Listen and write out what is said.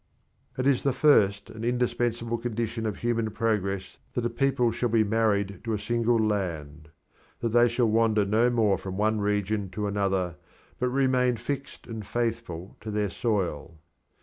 It is the first and indispensable condition of human progress that a people shall be married to a single land; that they shall wander no more from one region to another, but remain fixed and faithful to their soil.